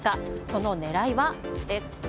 その狙いは？です。